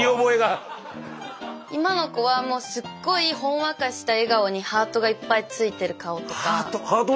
今の子はもうすっごいほんわかした笑顔にハートがいっぱいついてる顔とか。